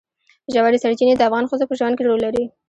ژورې سرچینې د افغان ښځو په ژوند کې رول لري.